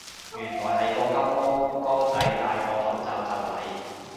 原來係個金毛哥仔戴個口罩就嚟